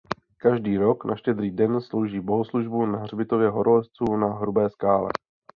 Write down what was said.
Každý rok na Štědrý den slouží bohoslužbu na hřbitově horolezců na Hrubé Skále.